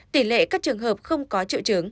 tỷ lệ các trường hợp không có triệu chứng